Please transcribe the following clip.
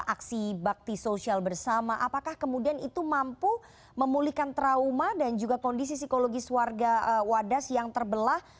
aksi bakti sosial bersama apakah kemudian itu mampu memulihkan trauma dan juga kondisi psikologis warga wadas yang terbelah